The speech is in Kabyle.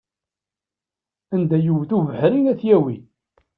Anda yewwet ubeḥri ad t-yawi.